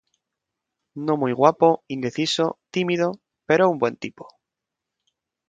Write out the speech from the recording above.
No muy guapo, indeciso, tímido, pero un buen tipo.